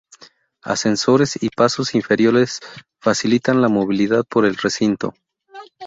Ascensores y pasos inferiores facilitan la movilidad por el recinto.